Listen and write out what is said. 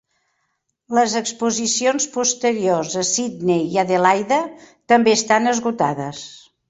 Les exposicions posteriors a Sydney i Adelaida també estan esgotades.